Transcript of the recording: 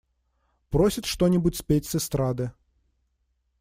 Просят что-нибудь спеть с эстрады.